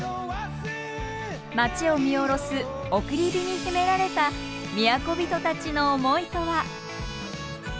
街を見下ろす送り火に秘められた都人たちの思いとは。